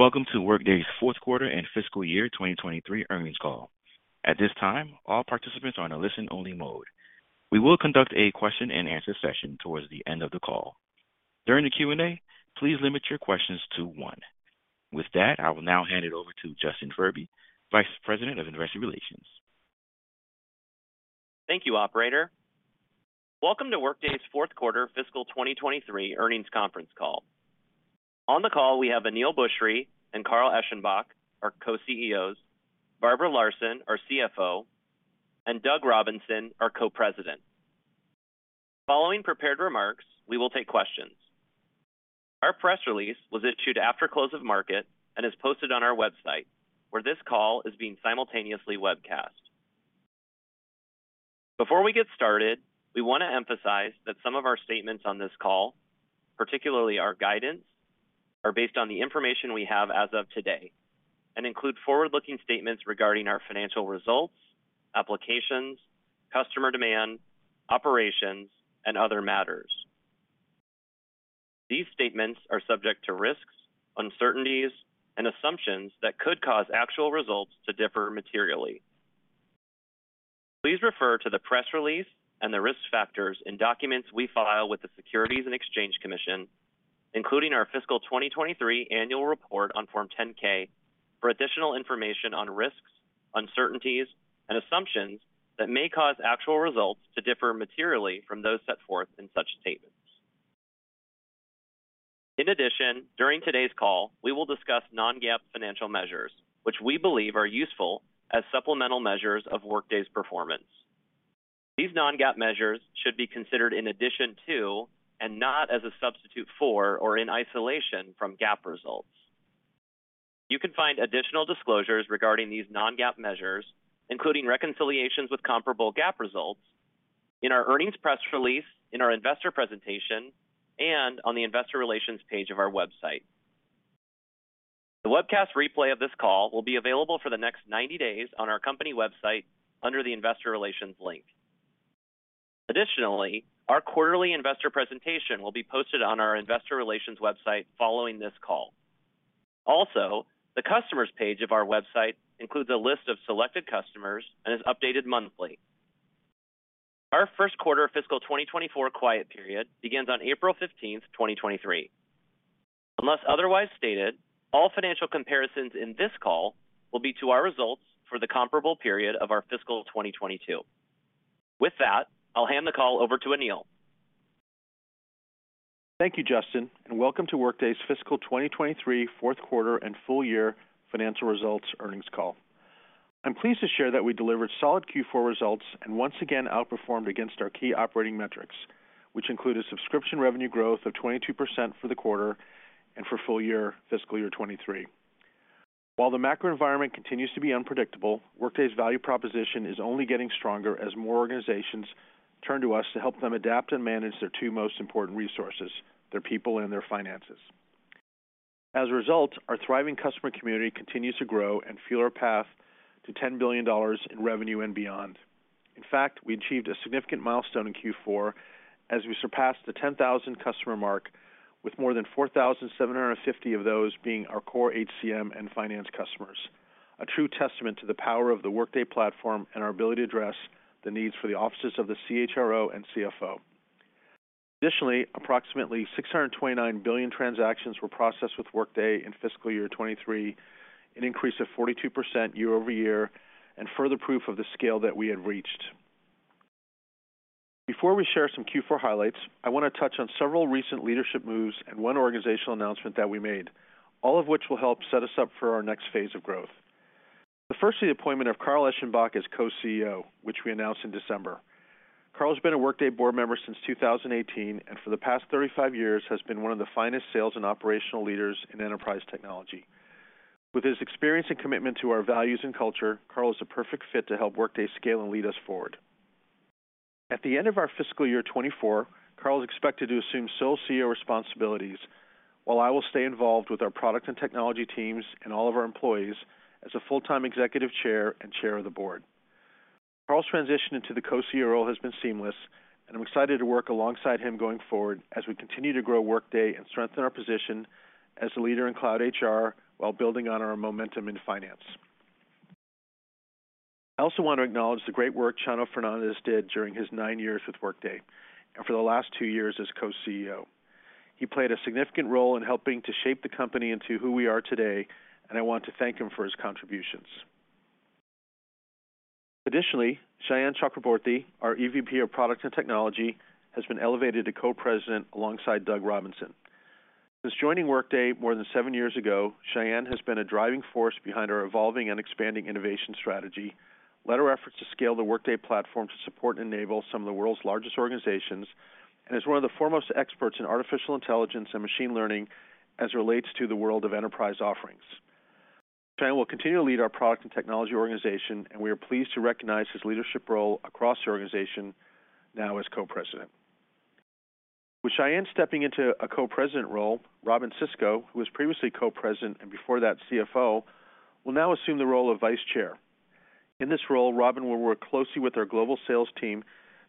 Welcome to Workday's Fourth Quarter and Fiscal Year 2023 Earnings Call. At this time, all participants are on a listen-only mode. We will conduct a question-and-answer session towards the end of the call. During the Q&A, please limit your questions to one. With that, I will now hand it over to Justin Furby Vice President of Investor Relations. Thank you, operator. Welcome to Workday's Fourth Quarter Fiscal 2023 Earnings Conference Call. On the call, we have Aneel Bhusri and Carl Eschenbach, our co-CEOs, Barbara Larson, our CFO, and Doug Robinson, our Co-President. Following prepared remarks, we will take questions. Our press release was issued after close of market and is posted on our website, where this call is being simultaneously webcast. Before we get started, we wanna emphasize that some of our statements on this call, particularly our guidance, are based on the information we have as of today and include forward-looking statements regarding our financial results, applications, customer demand, operations, and other matters. These statements are subject to risks, uncertainties, and assumptions that could cause actual results to differ materially. Please refer to the press release and the risk factors in documents we file with the Securities and Exchange Commission, including our fiscal 2023 annual report on Form 10-K, for additional information on risks, uncertainties, and assumptions that may cause actual results to differ materially from those set forth in such statements. During today's call, we will discuss non-GAAP financial measures, which we believe are useful as supplemental measures of Workday's performance. These non-GAAP measures should be considered in addition to and not as a substitute for or in isolation from GAAP results. You can find additional disclosures regarding these non-GAAP measures, including reconciliations with comparable GAAP results, in our earnings press release, in our investor presentation, and on the investor relations page of our website. The webcast replay of this call will be available for the next 90 days on our company website under the Investor Relations link. Additionally, our quarterly investor presentation will be posted on our Investor Relations website following this call. The customers page of our website includes a list of selected customers and is updated monthly. Our first quarter fiscal 2024 quiet period begins on April 15th 2023. Unless otherwise stated, all financial comparisons in this call will be to our results for the comparable period of our fiscal 2022. With that, I'll hand the call over to Aneel. Thank you, Justin, and welcome to Workday's Fiscal 2023 Fourth Quarter and Full Year Financial Results Earnings Call. I'm pleased to share that we delivered solid Q4 results and once again outperformed against our key operating metrics, which included subscription revenue growth of 22% for the quarter and for full year fiscal year 2023. While the macro environment continues to be unpredictable, Workday's value proposition is only getting stronger as more organizations turn to us to help them adapt and manage their two most important resources, their people and their finances. As a result, our thriving customer community continues to grow and fuel our path to $10 billion in revenue and beyond. In fact, we achieved a significant milestone in Q4 as we surpassed the 10,000 customer mark with more than 4,750 of those being our core HCM and finance customers. A true testament to the power of the Workday platform and our ability to address the needs for the offices of the CHRO and CFO. Additionally, approximately 629 billion transactions were processed with Workday in fiscal year 2023, an increase of 42% year-over-year. Further proof of the scale that we had reached. Before we share some Q4 highlights, I wanna touch on several recent leadership moves and one organizational announcement that we made, all of which will help set us up for our next phase of growth. The first is the appointment of Carl Eschenbach as co-CEO, which we announced in December. Carl has been a Workday board member since 2018, and for the past 35 years has been one of the finest sales and operational leaders in enterprise technology. With his experience and commitment to our values and culture, Carl is a perfect fit to help Workday scale and lead us forward. At the end of our fiscal year 2024, Carl is expected to assume sole CEO responsibilities while I will stay involved with our product and technology teams and all of our employees as a full-time executive chair and chair of the Board. Carl's transition into the co-CEO role has been seamless, I'm excited to work alongside him going forward as we continue to grow Workday and strengthen our position as a leader in cloud HR while building on our momentum in finance. I also want to acknowledge the great work Chano Fernandez did during his nine years with Workday, and for the last two years as co-CEO. He played a significant role in helping to shape the company into who we are today, and I want to thank him for his contributions. Additionally, Sayan Chakraborty, our EVP of Product and Technology, has been elevated to co-president alongside Doug Robinson. Since joining Workday more than seven years ago, Sayan has been a driving force behind our evolving and expanding innovation strategy, led our efforts to scale the Workday platform to support and enable some of the world's largest organizations, and is one of the foremost experts in artificial intelligence and machine learning as it relates to the world of enterprise offerings. Sayan will continue to lead our Product and Technology organization, and we are pleased to recognize his leadership role across the organization now as Co-President. With Sayan stepping into a Co-President role, Robynne Sisco, who was previously Co-President, and before that CFO, will now assume the role of Vice Chair. In this role, Robin will work closely with our global sales team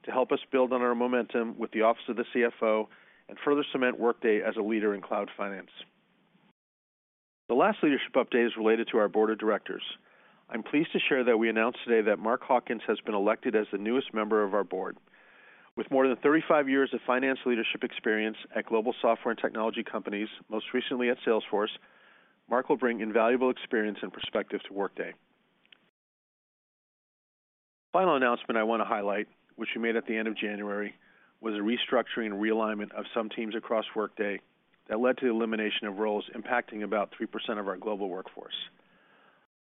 to help us build on our momentum with the office of the CFO and further cement Workday as a leader in cloud finance. The last leadership update is related to our board of directors. I'm pleased to share that we announced today that Mark Hawkins has been elected as the newest member of our board. With more than 35 years of finance leadership experience at global software and technology companies, most recently at Salesforce, Mark will bring invaluable experience and perspective to Workday. The final announcement I want to highlight, which we made at the end of January, was a restructuring and realignment of some teams across Workday that led to the elimination of roles impacting about 3% of our global workforce.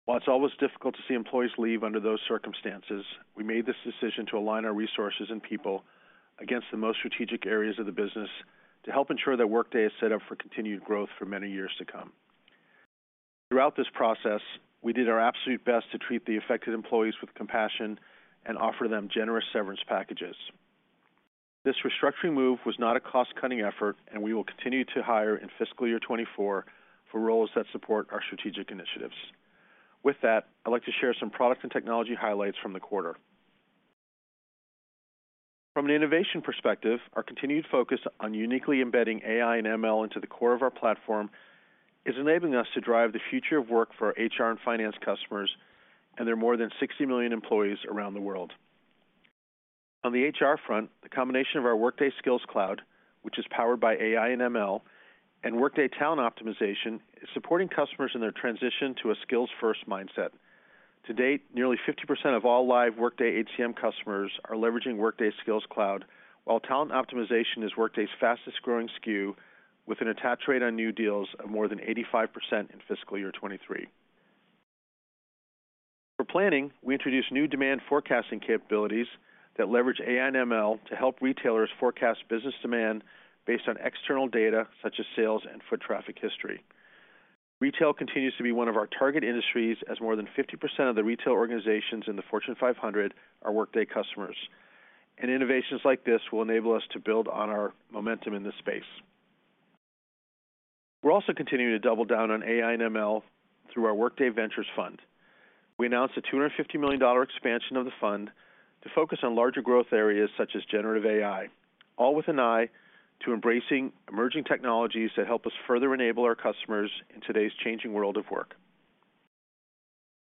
While it's always difficult to see employees leave under those circumstances, we made this decision to align our resources and people against the most strategic areas of the business to help ensure that Workday is set up for continued growth for many years to come. Throughout this process, we did our absolute best to treat the affected employees with compassion and offer them generous severance packages. This restructuring move was not a cost-cutting effort, and we will continue to hire in fiscal year 2024 for roles that support our strategic initiatives. With that, I'd like to share some product and technology highlights from the quarter. From an innovation perspective, our continued focus on uniquely embedding AI and ML into the core of our platform is enabling us to drive the future of work for our HR and finance customers and their more than 60 million employees around the world. On the HR front, the combination of our Workday Skills Cloud, which is powered by AI and ML, and Workday Talent Optimization is supporting customers in their transition to a skills-first mindset. To date, nearly 50% of all live Workday HCM customers are leveraging Workday Skills Cloud, while Talent Optimization is Workday's fastest-growing SKU with an attach rate on new deals of more than 85% in fiscal year 2023. For planning, we introduced new demand forecasting capabilities that leverage AI and ML to help retailers forecast business demand based on external data such as sales and foot traffic history. Retail continues to be one of our target industries as more than 50% of the retail organizations in the Fortune 500 are Workday customers. Innovations like this will enable us to build on our momentum in this space. We're also continuing to double down on AI and ML through our Workday Ventures fund. We announced a $250 million expansion of the fund to focus on larger growth areas such as generative AI, all with an eye to embracing emerging technologies that help us further enable our customers in today's changing world of work.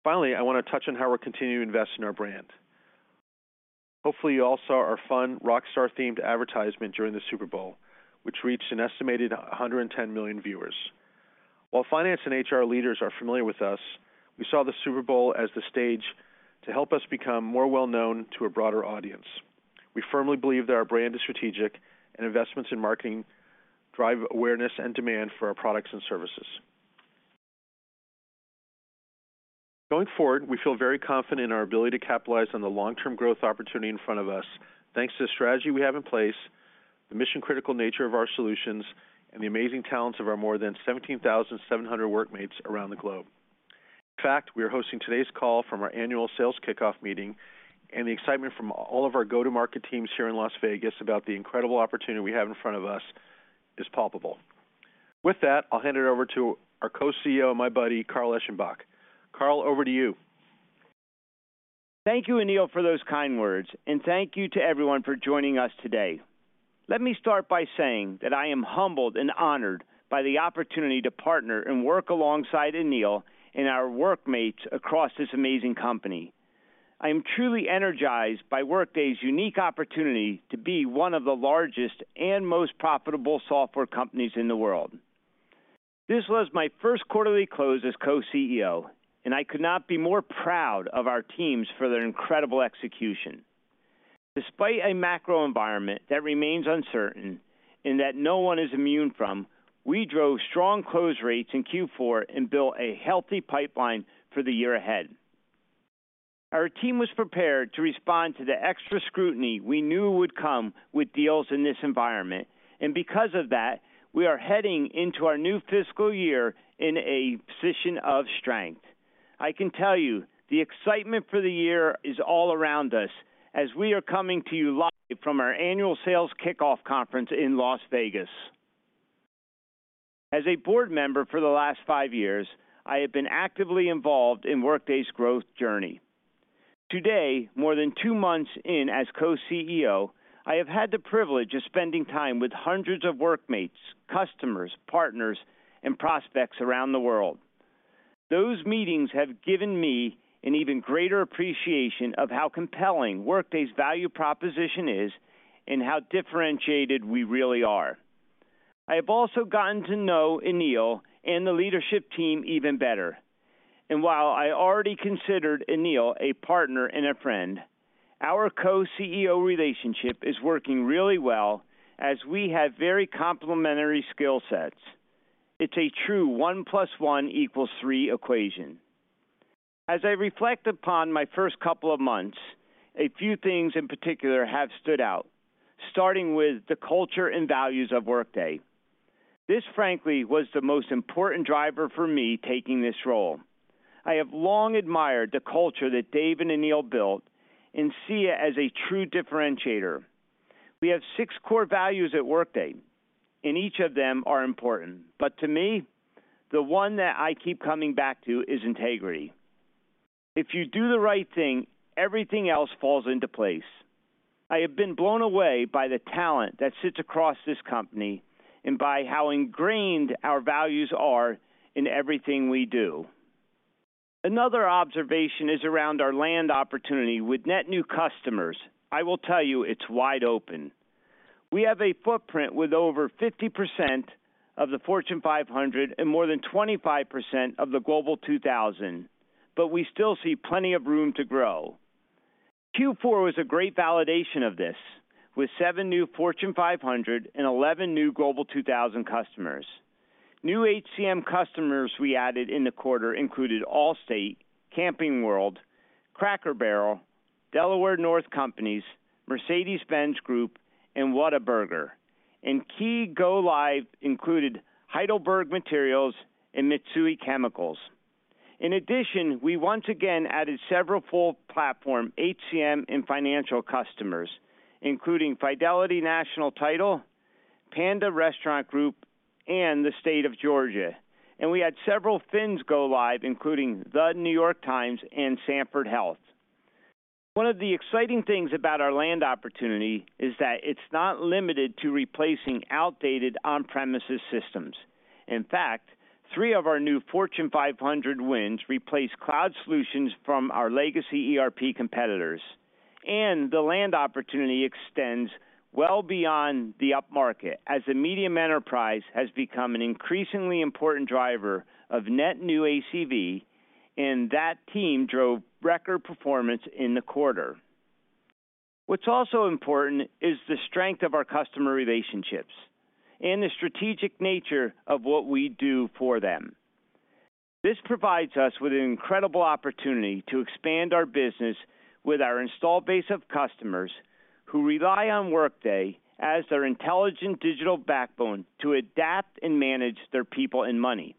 Finally, I wanna touch on how we're continuing to invest in our brand. Hopefully, you all saw our fun rockstar-themed advertisement during the Super Bowl, which reached an estimated 110 million viewers. While finance and HR leaders are familiar with us, we saw the Super Bowl as the stage to help us become more well-known to a broader audience. We firmly believe that our brand is strategic and investments in marketing drive awareness and demand for our products and services. Going forward, we feel very confident in our ability to capitalize on the long-term growth opportunity in front of us, thanks to the strategy we have in place, the mission-critical nature of our solutions, and the amazing talents of our more than 17,700 Workmates around the globe. In fact, we are hosting today's call from our annual sales kickoff meeting, and the excitement from all of our go-to-market teams here in Las Vegas about the incredible opportunity we have in front of us is palpable. With that, I'll hand it over to our Co-CEO, my buddy, Carl Eschenbach. Carl, over to you. Thank you, Aneel, for those kind words, and thank you to everyone for joining us today. Let me start by saying that I am humbled and honored by the opportunity to partner and work alongside Aneel and our Workmates across this amazing company. I am truly energized by Workday's unique opportunity to be one of the largest and most profitable software companies in the world. This was my first quarterly close as co-CEO, and I could not be more proud of our teams for their incredible execution. Despite a macro environment that remains uncertain and that no one is immune from, we drove strong close rates in Q4 and built a healthy pipeline for the year ahead. Our team was prepared to respond to the extra scrutiny we knew would come with deals in this environment, and because of that, we are heading into our new fiscal year in a position of strength. I can tell you the excitement for the year is all around us as we are coming to you live from our annual sales kickoff conference in Las Vegas. As a board member for the last five years, I have been actively involved in Workday's growth journey. Today, more than two months in as co-CEO, I have had the privilege of spending time with hundreds of Workmates, customers, partners, and prospects around the world. Those meetings have given me an even greater appreciation of how compelling Workday's value proposition is and how differentiated we really are. I have also gotten to know Aneel and the leadership team even better. While I already considered Aneel a partner and a friend, our co-CEO relationship is working really well as we have very complementary skill sets. It's a true one plus one equals three equation. As I reflect upon my first couple of months, a few things in particular have stood out, starting with the culture and values of Workday. This, frankly, was the most important driver for me taking this role. I have long admired the culture that Dave and Aneel built and see it as a true differentiator. We have six core values at Workday, and each of them are important. To me, the one that I keep coming back to is integrity. If you do the right thing, everything else falls into place. I have been blown away by the talent that sits across this company and by how ingrained our values are in everything we do. Another observation is around our land opportunity with net new customers. I will tell you it's wide open. We have a footprint with over 50% of the Fortune 500 and more than 25% of the Global 2000, but we still see plenty of room to grow. Q4 was a great validation of this, with seven new Fortune 500 and 11 new Global 2000 customers. New HCM customers we added in the quarter included Allstate, Camping World, Cracker Barrel, Delaware North Companies, Mercedes-Benz Group, and Whataburger. Key go live included Heidelberg Materials and Mitsui Chemicals. In addition, we once again added several full platform HCM and financial customers, including Fidelity National Title, Panda Restaurant Group, and the State of Georgia. We had several FINS go live, including The New York Times and Sanford Health. One of the exciting things about our land opportunity is that it's not limited to replacing outdated on-premises systems. In fact, three of our new Fortune 500 wins replace cloud solutions from our legacy ERP competitors. The land opportunity extends well beyond the upmarket as the medium enterprise has become an increasingly important driver of net new ACV. That team drove record performance in the quarter. What's also important is the strength of our customer relationships and the strategic nature of what we do for them. This provides us with an incredible opportunity to expand our business with our installed base of customers who rely on Workday as their intelligent digital backbone to adapt and manage their people and money.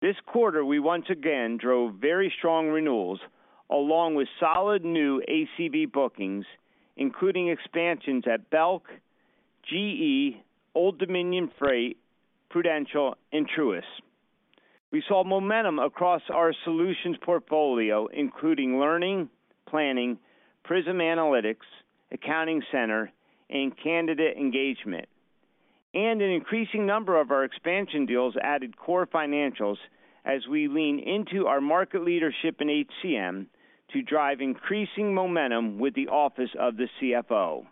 This quarter, we once again drove very strong renewals along with solid new ACV bookings, including expansions at Belk, GE, Old Dominion Freight, Prudential, and Truist. We saw momentum across our solutions portfolio, including Learning, Planning, Prism Analytics, Accounting Center, and Candidate Engagement. An increasing number of our expansion deals added core financials as we lean into our market leadership in HCM to drive increasing momentum with the office of the CFO.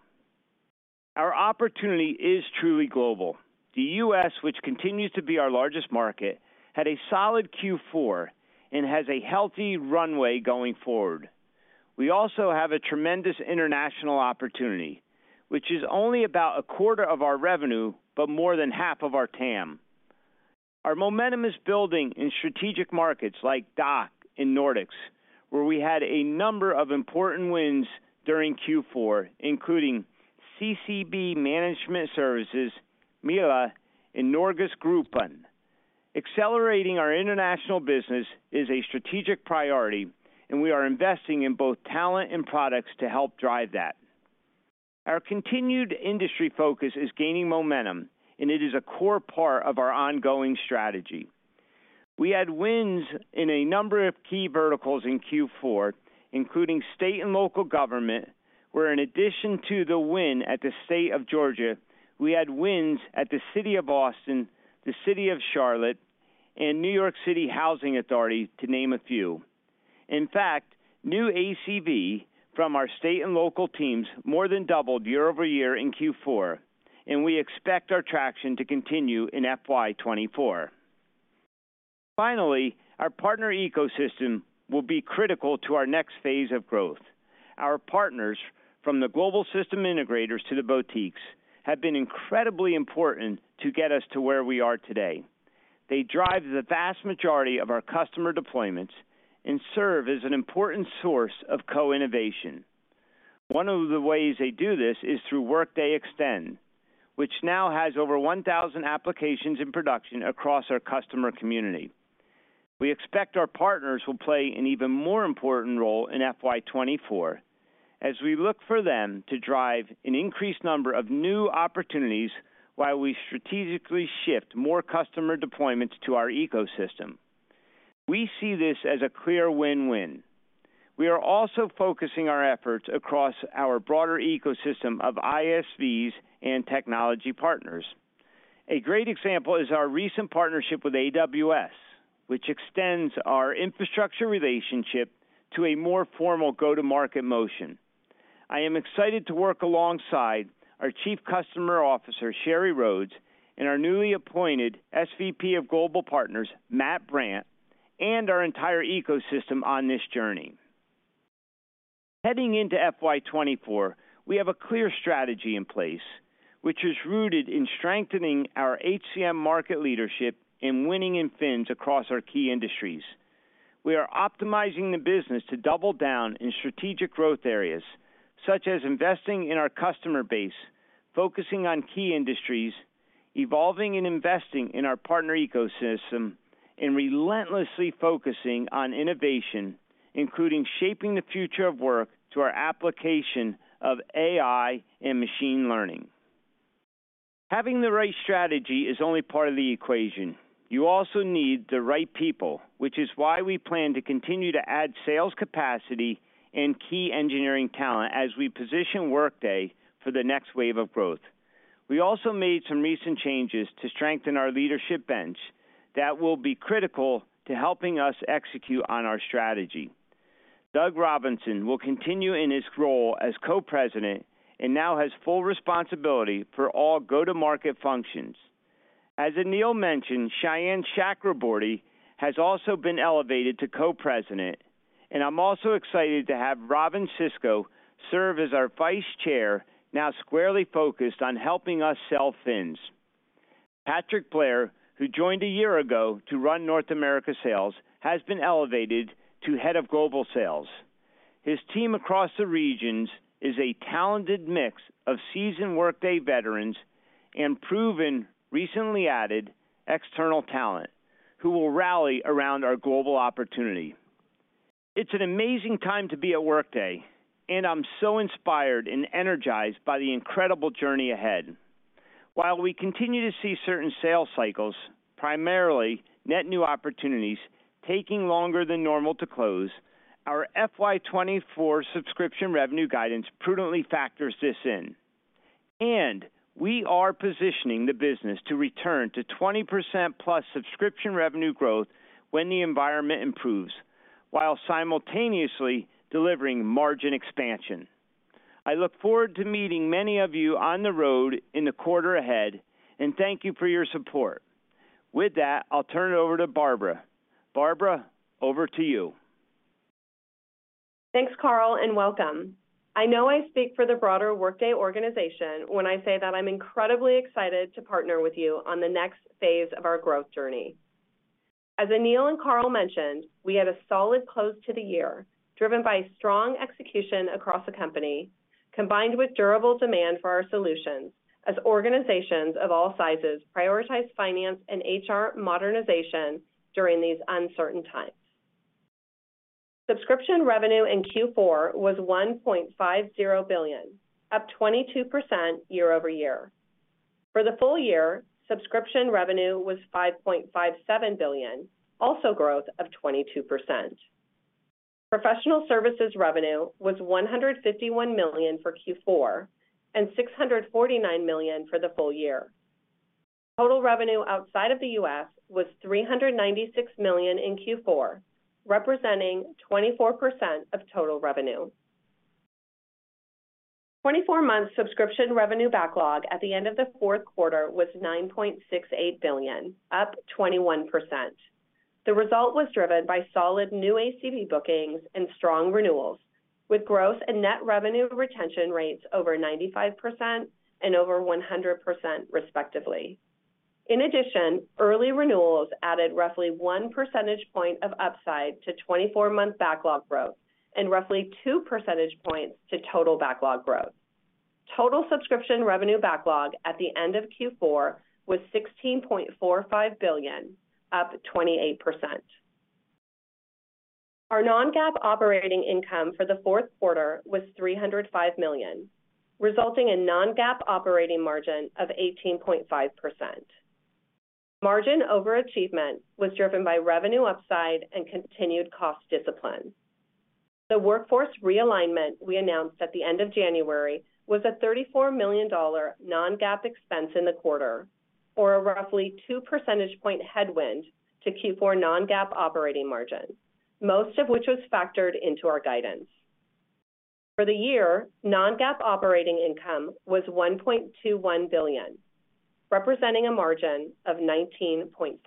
Our opportunity is truly global. The U.S., which continues to be our largest market, had a solid Q4 and has a healthy runway going forward. We also have a tremendous international opportunity, which is only about a quarter of our revenue, but more than half of our TAM. Our momentum is building in strategic markets like DACH and Nordics, where we had a number of important wins during Q4, including CCB Management Services, Mila, and NorgesGruppen. Accelerating our international business is a strategic priority, and we are investing in both talent and products to help drive that. Our continued industry focus is gaining momentum, and it is a core part of our ongoing strategy. We had wins in a number of key verticals in Q4, including state and local government, where in addition to the win at the State of Georgia, we had wins at the City of Austin, the City of Charlotte, and New York City Housing Authority, to name a few. In fact, new ACV from our state and local teams more than doubled year-over-year in Q4, and we expect our traction to continue in FY 2024. Finally, our partner ecosystem will be critical to our next phase of growth. Our partners, from the global system integrators to the boutiques, have been incredibly important to get us to where we are today. They drive the vast majority of our customer deployments and serve as an important source of co-innovation. One of the ways they do this is through Workday Extend, which now has over 1,000 applications in production across our customer community. We expect our partners will play an even more important role in FY 2024 as we look for them to drive an increased number of new opportunities while we strategically shift more customer deployments to our ecosystem. We see this as a clear win-win. We are also focusing our efforts across our broader ecosystem of ISVs and technology partners. A great example is our recent partnership with AWS, which extends our infrastructure relationship to a more formal go-to-market motion. I am excited to work alongside our Chief Customer Officer, Sheri Rhodes, and our newly appointed SVP of Global Partners, Matt Brandt, and our entire ecosystem on this journey. Heading into FY 2024, we have a clear strategy in place, which is rooted in strengthening our HCM market leadership and winning in FINS across our key industries. We are optimizing the business to double down in strategic growth areas, such as investing in our customer base, focusing on key industries, evolving and investing in our partner ecosystem and relentlessly focusing on innovation, including shaping the future of work through our application of AI and machine learning. Having the right strategy is only part of the equation. You also need the right people, which is why we plan to continue to add sales capacity and key engineering talent as we position Workday for the next wave of growth. We also made some recent changes to strengthen our leadership bench that will be critical to helping us execute on our strategy. Doug Robinson will continue in his role as Co-President and now has full responsibility for all go-to-market functions. As Aneel mentioned, Sayan Chakraborty has also been elevated to Co-President, and I'm also excited to have Robynne Sisco serve as our Vice Chair, now squarely focused on helping us sell FINS. Patrick Blair, who joined a year ago to run North America sales, has been elevated to Head of Global Sales. His team across the regions is a talented mix of seasoned Workday veterans and proven, recently added external talent who will rally around our global opportunity. It's an amazing time to be at Workday, and I'm so inspired and energized by the incredible journey ahead. While we continue to see certain sales cycles, primarily net new opportunities, taking longer than normal to close, our FY 2024 subscription revenue guidance prudently factors this in. We are positioning the business to return to 20%+ subscription revenue growth when the environment improves, while simultaneously delivering margin expansion. I look forward to meeting many of you on the road in the quarter ahead, and thank you for your support. With that, I'll turn it over to Barbara. Barbara, over to you. Thanks, Carl, and welcome. I know I speak for the broader Workday organization when I say that I'm incredibly excited to partner with you on the next phase of our growth journey. As Aneel and Carl mentioned, we had a solid close to the year, driven by strong execution across the company, combined with durable demand for our solutions as organizations of all sizes prioritize finance and HR modernization during these uncertain times. Subscription revenue in Q4 was $1.50 billion, up 22% year-over-year. For the full year, subscription revenue was $5.57 billion, also growth of 22%. Professional services revenue was $151 million for Q4 and $649 million for the full year. Total revenue outside of the U.S. was $396 million in Q4, representing 24% of total revenue. 24-month subscription revenue backlog at the end of the fourth quarter was $9.68 billion, up 21%. The result was driven by solid new ACV bookings and strong renewals, with growth and net revenue retention rates over 95% and over 100% respectively. In addition, early renewals added roughly 1 percentage point of upside to 24-month backlog growth and roughly 2 percentage points to total backlog growth. Total subscription revenue backlog at the end of Q4 was $16.45 billion, up 28%. Our non-GAAP operating income for the fourth quarter was $305 million, resulting in non-GAAP operating margin of 18.5%. Margin overachievement was driven by revenue upside and continued cost discipline. The workforce realignment we announced at the end of January was a $34 million non-GAAP expense in the quarter or a roughly 2 percentage point headwind to Q4 non-GAAP operating margin, most of which was factored into our guidance. For the year, non-GAAP operating income was $1.21 billion, representing a margin of 19.5%.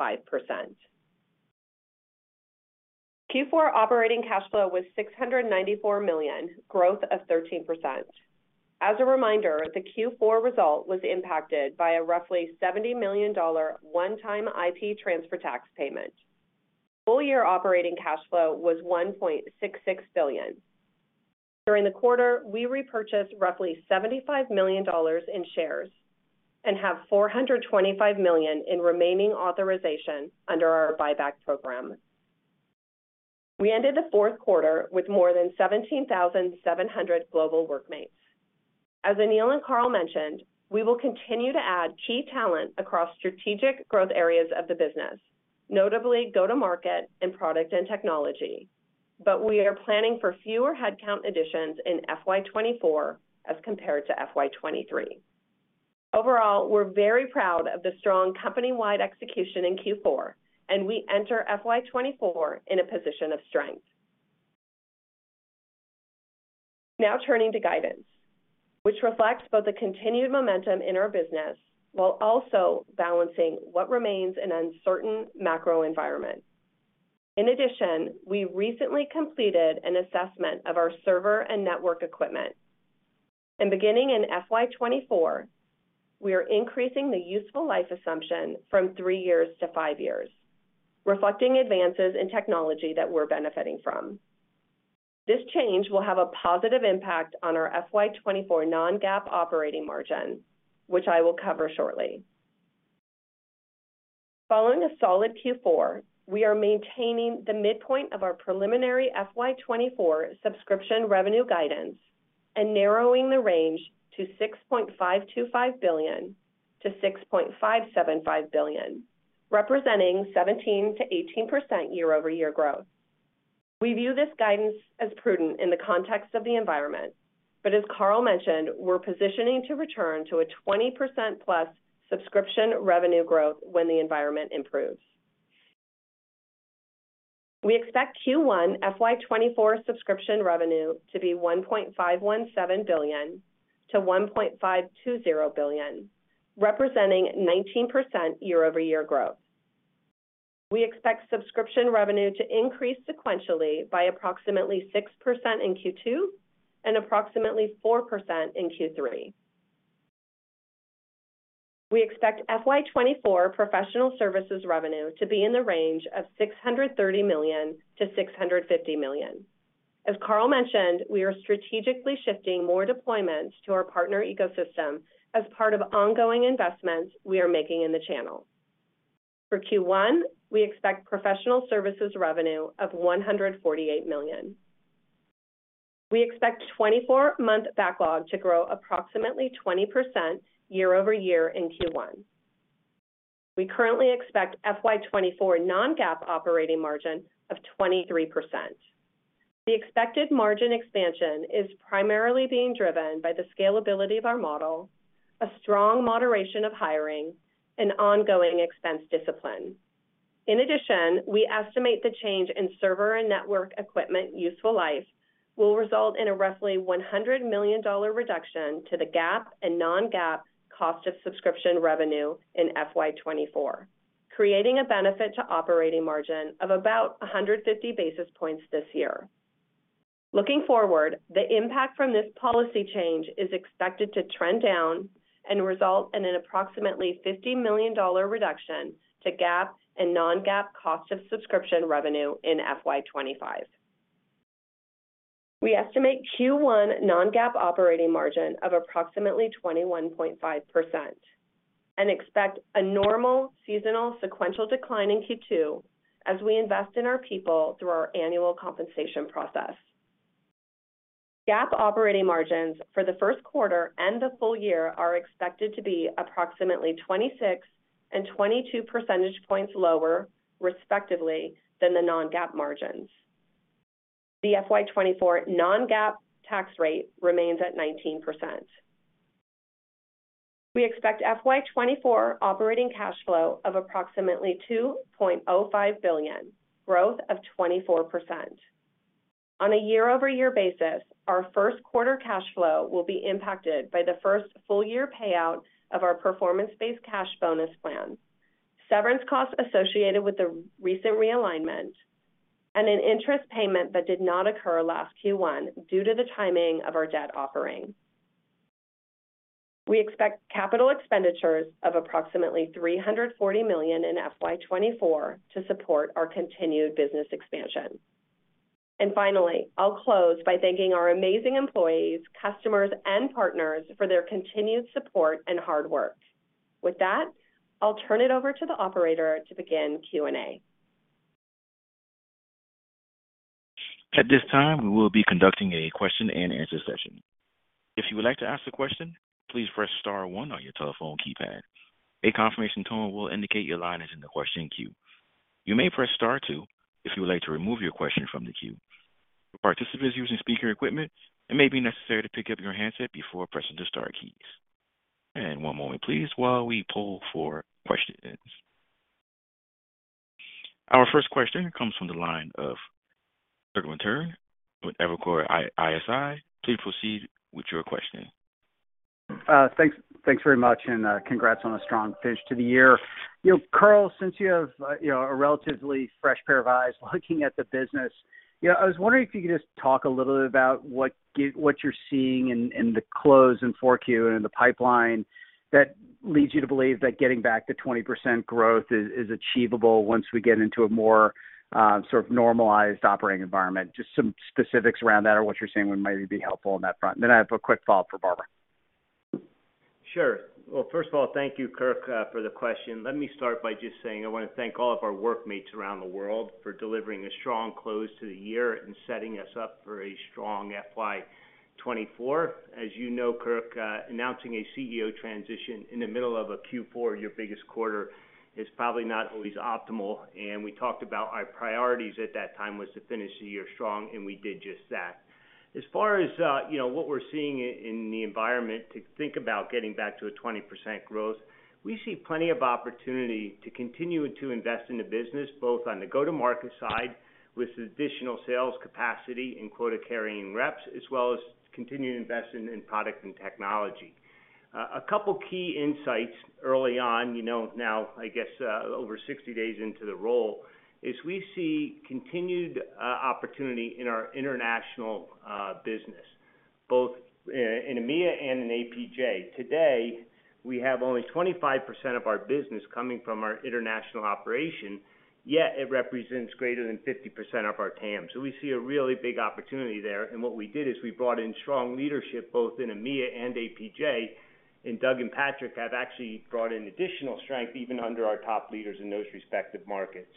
Q4 operating cash flow was $694 million, growth of 13%. As a reminder, the Q4 result was impacted by a roughly $70 million one-time IP transfer tax payment. Full year operating cash flow was $1.66 billion. During the quarter, we repurchased roughly $75 million in shares and have $425 million in remaining authorization under our buyback program. We ended the fourth quarter with more than 17,700 global Workmates. As Aneel and Carl mentioned, we will continue to add key talent across strategic growth areas of the business, notably go-to-market and product and technology. We are planning for fewer headcount additions in FY 2024 as compared to FY 2023. Overall, we're very proud of the strong company-wide execution in Q4, and we enter FY 2024 in a position of strength. Turning to guidance, which reflects both the continued momentum in our business while also balancing what remains an uncertain macro environment. In addition, we recently completed an assessment of our server and network equipment. Beginning in FY 2024, we are increasing the useful life assumption from three years to five years, reflecting advances in technology that we're benefiting from. This change will have a positive impact on our FY 2024 non-GAAP operating margin, which I will cover shortly. Following a solid Q4, we are maintaining the midpoint of our preliminary FY 2024 subscription revenue guidance and narrowing the range to $6.525 billion-$6.575 billion, representing 17%-18% year-over-year growth. We view this guidance as prudent in the context of the environment. As Carl mentioned, we're positioning to return to a 20%+ subscription revenue growth when the environment improves. We expect Q1 FY 2024 subscription revenue to be $1.517 billion-$1.520 billion, representing 19% year-over-year growth. We expect subscription revenue to increase sequentially by approximately 6% in Q2 and approximately 4% in Q3. We expect FY 2024 professional services revenue to be in the range of $630 million-$650 million. As Carl mentioned, we are strategically shifting more deployments to our partner ecosystem as part of ongoing investments we are making in the channel. For Q1, we expect professional services revenue of $148 million. We expect 24-month backlog to grow approximately 20% year-over-year in Q1. We currently expect FY 2024 non-GAAP operating margin of 23%. The expected margin expansion is primarily being driven by the scalability of our model, a strong moderation of hiring, and ongoing expense discipline. In addition, we estimate the change in server and network equipment useful life will result in a roughly $100 million reduction to the GAAP and non-GAAP cost of subscription revenue in FY 2024, creating a benefit to operating margin of about 150 basis points this year. Looking forward, the impact from this policy change is expected to trend down and result in an approximately $50 million reduction to GAAP and non-GAAP cost of subscription revenue in FY 2025. We estimate Q1 non-GAAP operating margin of approximately 21.5% and expect a normal seasonal sequential decline in Q2 as we invest in our people through our annual compensation process. GAAP operating margins for the first quarter and the full year are expected to be approximately 26 and 22 percentage points lower, respectively, than the non-GAAP margins. The FY 2024 non-GAAP tax rate remains at 19%. We expect FY 2024 operating cash flow of approximately $2.05 billion, growth of 24%. On a year-over-year basis, our first quarter cash flow will be impacted by the first full year payout of our performance-based cash bonus plan, severance costs associated with the recent realignment, and an interest payment that did not occur last Q1 due to the timing of our debt offering. We expect capital expenditures of approximately $340 million in FY 2024 to support our continued business expansion. Finally, I'll close by thanking our amazing employees, customers, and partners for their continued support and hard work. With that, I'll turn it over to the operator to begin Q&A. At this time, we will be conducting a question-and-answer session. If you would like to ask a question, please press star one on your telephone keypad. A confirmation tone will indicate your line is in the question queue. You may press star two if you would like to remove your question from the queue. For participants using speaker equipment, it may be necessary to pick up your handset before pressing the star keys. One moment, please, while we poll for questions. Our first question comes from the line of Kirk Materne with Evercore ISI. Please proceed with your question. Thanks. Thanks very much, and, congrats on a strong finish to the year. You know, Carl, since you have, you know, a relatively fresh pair of eyes looking at the business, you know, I was wondering if you could just talk a little bit about what you're seeing in the close in 4Q and in the pipeline that leads you to believe that getting back to 20% growth is achievable once we get into a more, sort of normalized operating environment. Just some specifics around that or what you're seeing would maybe be helpful on that front. I have a quick follow-up for Barbara. Well, first of all, thank you, Kirk, for the question. Let me start by just saying I wanna thank all of our Workmates around the world for delivering a strong close to the year and setting us up for a strong FY 2024. As you know, Kirk, announcing a CEO transition in the middle of a Q4, your biggest quarter, is probably not always optimal, and we talked about our priorities at that time was to finish the year strong, and we did just that. As far as, you know, what we're seeing in the environment to think about getting back to a 20% growth, we see plenty of opportunity to continue to invest in the business, both on the go-to-market side with additional sales capacity in quota-carrying reps, as well as continuing to invest in product and technology. A couple key insights early on, you know, now, I guess, over 60 days into the role, is we see continued opportunity in our international business, both in EMEA and in APJ. Today, we have only 25% of our business coming from our international operation, yet it represents greater than 50% of our TAM. We see a really big opportunity there. What we did is we brought in strong leadership, both in EMEA and APJ, and Doug and Patrick have actually brought in additional strength even under our top leaders in those respective markets.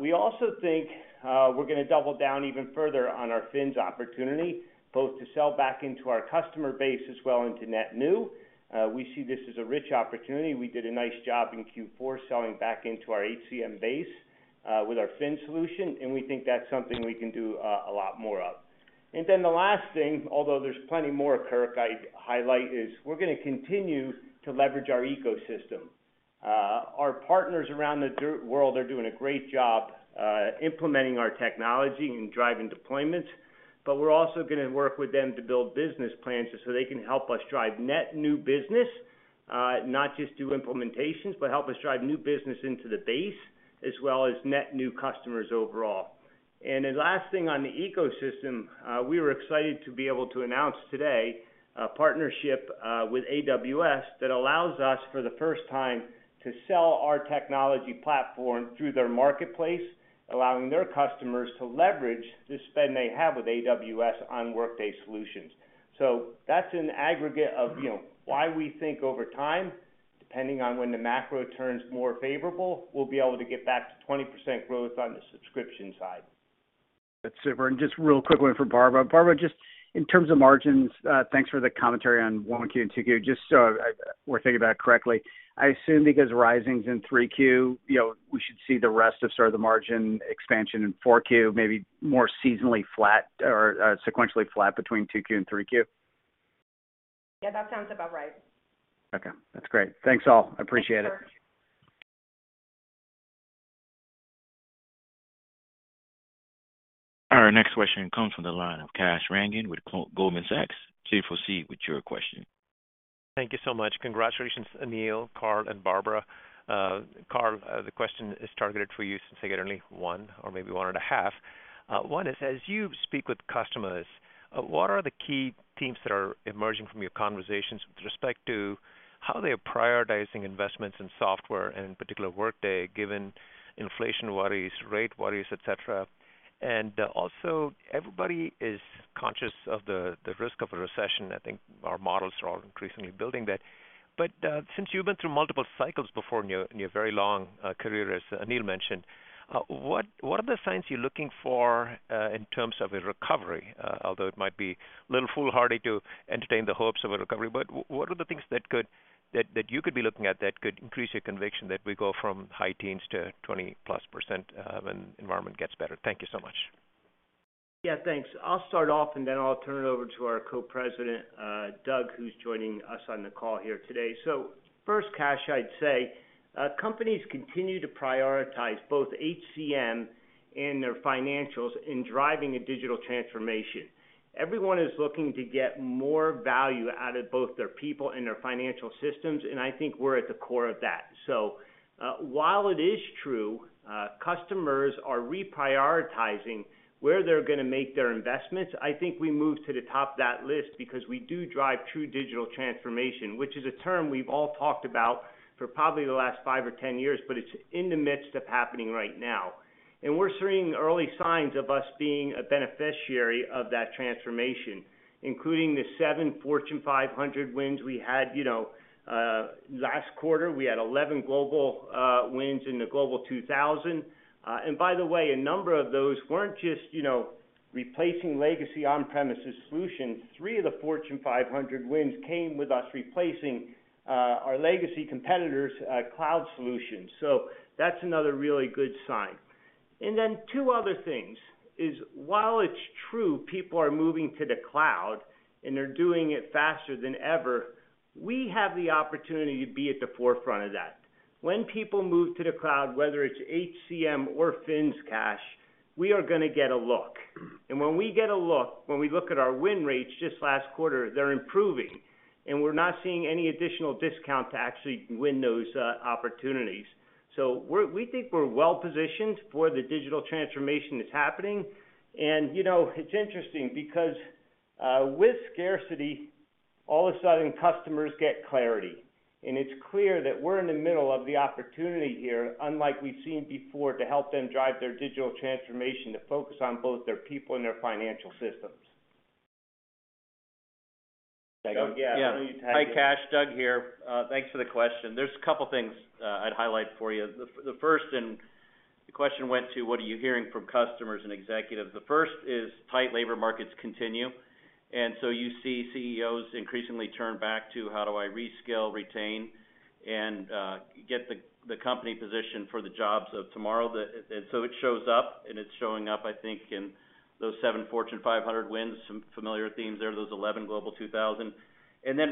We also think we're gonna double down even further on our FINS opportunity, both to sell back into our customer base as well into net new. We see this as a rich opportunity. We did a nice job in Q4 selling back into our HCM base with our FINS solution. We think that's something we can do a lot more of. The last thing, although there's plenty more, Kirk, I'd highlight, is we're gonna continue to leverage our ecosystem. Our partners around the world are doing a great job implementing our technology and driving deployments, but we're also gonna work with them to build business plans just so they can help us drive net new business, not just do implementations, but help us drive new business into the base as well as net new customers overall. Last thing on the ecosystem, we were excited to be able to announce today a partnership, with AWS that allows us, for the first time, to sell our technology platform through their marketplace, allowing their customers to leverage the spend they have with AWS on Workday solutions. That's an aggregate of, you know, why we think over time, depending on when the macro turns more favorable, we'll be able to get back to 20% growth on the subscription side. That's super. Just real quick one for Barbara. Barbara, just in terms of margins, thanks for the commentary on 1Q and 2Q. Just so we're thinking about it correctly, I assume because rising's in 3Q, you know, we should see the rest of sort of the margin expansion in 4Q, maybe more seasonally flat or sequentially flat between 2Q and 3Q? Yeah, that sounds about right. Okay, that's great. Thanks, all. I appreciate it. Thank you, sir. Our next question comes from the line of Kash Rangan with Goldman Sachs. Please proceed with your question. Thank you so much. Congratulations, Aneel, Carl, and Barbara. Carl, the question is targeted for you since I get only one or maybe one and a half. One is, as you speak with customers, what are the key themes that are emerging from your conversations with respect to how they are prioritizing investments in software, and in particular Workday, given inflation worries, rate worries, et cetera? Also everybody is conscious of the risk of a recession. I think our models are all increasingly building that. Since you've been through multiple cycles before in your very long career, as Aneel mentioned, what are the signs you're looking for in terms of a recovery? Although it might be a little foolhardy to entertain the hopes of a recovery, what are the things that you could be looking at that could increase your conviction that we go from high-teens to 20%+ when the environment gets better? Thank you so much. Yeah, thanks. I'll start off, and then I'll turn it over to our Co-President, Doug, who's joining us on the call here today. First, Kash, I'd say companies continue to prioritize both HCM and their financials in driving a digital transformation. Everyone is looking to get more value out of both their people and their financial systems, and I think we're at the core of that. While it is true, customers are reprioritizing where they're gonna make their investments, I think we move to the top of that list because we do drive true digital transformation, which is a term we've all talked about for probably the last five or 10 years, but it's in the midst of happening right now. We're seeing early signs of us being a beneficiary of that transformation, including the seven Fortune 500 wins we had, you know, last quarter. We had 11 global wins in the Global 2000. And by the way, a number of those weren't just, you know, replacing legacy on-premises solutions. Three of the Fortune 500 wins came with us replacing our legacy competitors' cloud solutions. That's another really good sign. Then two other things is, while it's true people are moving to the cloud and they're doing it faster than ever, we have the opportunity to be at the forefront of that. When people move to the cloud, whether it's HCM or FINS, Kash, we are gonna get a look. When we look at our win rates just last quarter, they're improving, and we're not seeing any additional discount to actually win those opportunities. We think we're well positioned for the digital transformation that's happening. You know, it's interesting because with scarcity, all of a sudden customers get clarity. It's clear that we're in the middle of the opportunity here, unlike we've seen before, to help them drive their digital transformation to focus on both their people and their financial systems. Doug? Yeah. Why don't you tag in? Yeah. Hi, Kash. Doug here. Thanks for the question. There's a couple things I'd highlight for you. The first, the question went to what are you hearing from customers and executives? The first is tight labor markets continue, you see CEOs increasingly turn back to how do I reskill, retain, and get the company positioned for the jobs of tomorrow? It shows up, it's showing up, I think, in those seven Fortune 500 wins, some familiar themes there, those 11 Global 2000.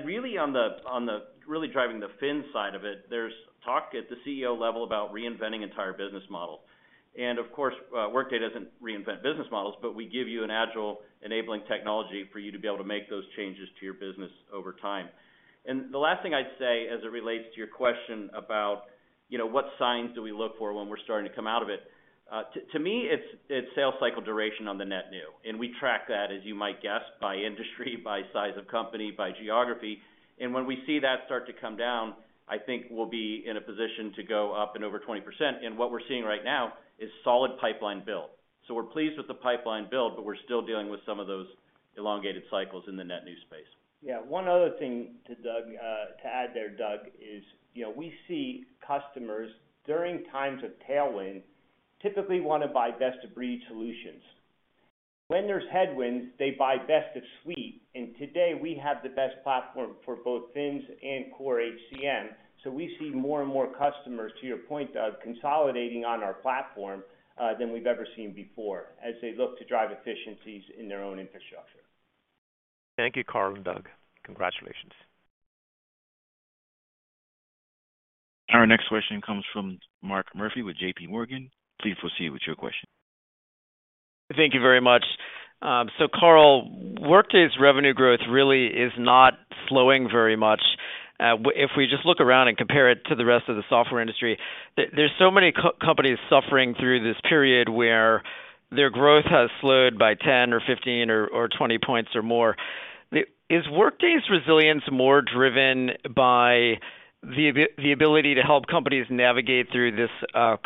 Really on the really driving the FINS side of it, there's talk at the CEO level about reinventing entire business model. Of course, Workday doesn't reinvent business models, we give you an agile enabling technology for you to be able to make those changes to your business over time. The last thing I'd say as it relates to your question about, you know, what signs do we look for when we're starting to come out of it? To me, it's sales cycle duration on the net new, and we track that, as you might guess, by industry, by size of company, by geography. When we see that start to come down, I think we'll be in a position to go up and over 20%. What we're seeing right now is solid pipeline build. We're pleased with the pipeline build, but we're still dealing with some of those elongated cycles in the net new space. Yeah. One other thing to Doug, to add there, Doug, is, you know, we see customers, during times of tailwind, typically wanna buy best-of-breed solutions. When there's headwinds, they buy best of suite. Today, we have the best platform for both FINS and core HCM. We see more and more customers, to your point, Doug, consolidating on our platform, than we've ever seen before as they look to drive efficiencies in their own infrastructure. Thank you, Carl and Doug. Congratulations. Our next question comes from Mark Murphy with JPMorgan. Please proceed with your question. Thank you very much. Carl, Workday's revenue growth really is not slowing very much. If we just look around and compare it to the rest of the software industry, there's so many companies suffering through this period where their growth has slowed by 10 or 15 or 20 points or more. Is Workday's resilience more driven by the ability to help companies navigate through this